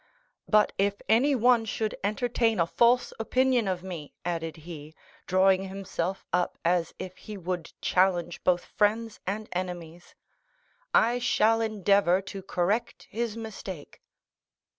But if anyone should entertain a false opinion of me," added he, drawing himself up as if he would challenge both friends and enemies, "I shall endeavor to correct his mistake."